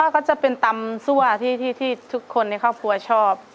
ก็จะเป็นตำซั่วที่ทุกคนในครอบครัวชอบ